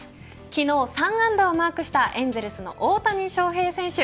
昨日３安打をマークしたエンゼルスの大谷翔平選手。